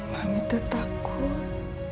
mami teh takut